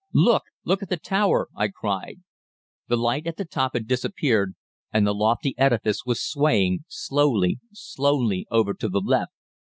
"'Look look at the tower!' I cried. "The light at the top had disappeared and the lofty edifice was swaying slowly, slowly, over to the left.